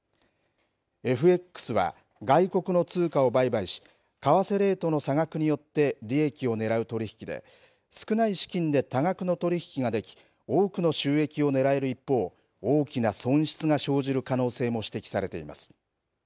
ＦＸは外国の通貨を売買し為替レートの差額によって利益を狙う取引で少ない資金で多額の取引ができ多くの収益を狙える一方大きな損失が生じる可能性も指摘されています。